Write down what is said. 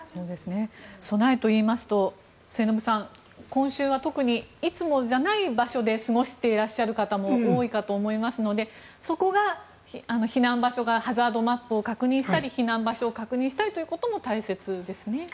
備えといいますと末延さん、今週は特にいつもじゃない場所で過ごしている方も多いかと思いますのでそこがハザードマップを確認したり避難場所を確認したりということも大切ですね。